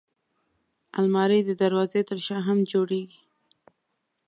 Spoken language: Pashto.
الماري د دروازې تر شا هم جوړېږي